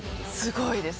すごいです。